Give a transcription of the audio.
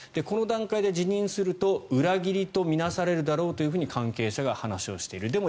この段階で辞任すると裏切りと見なされるだろうと関係者が話をしている。